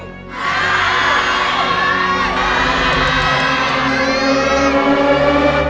ใช่